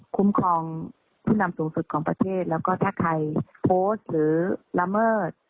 คุ้มครองผู้นำสูงสุดของประเทศแล้วก็ถ้าใครโพสต์หรือละเมิด